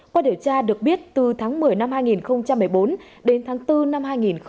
qua điều tra được biết từ tháng một mươi năm hai nghìn một mươi bốn đến tháng bốn năm hai nghìn một mươi bảy